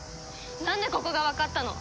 なんでここがわかったの？